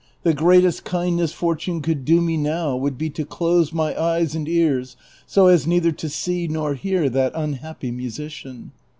The great est kindness fortune could do me now would be to close my eyes and ears so as neither to see nor hear that unhappy musician."